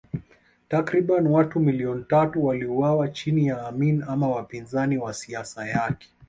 Takriban watu milioni tatu waliuawa chini ya Amin ama wapinzani wa siasa yake